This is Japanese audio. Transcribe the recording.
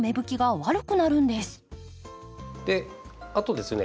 あとですね